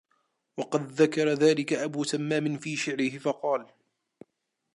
وَقَدْ ذَكَرَ ذَلِكَ أَبُو تَمَّامٍ فِي شَعْرِهِ فَقَالَ